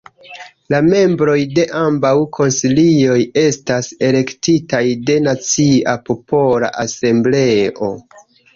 La membroj de ambaŭ konsilioj estas elektitaj de la Nacia Popola Asembleo.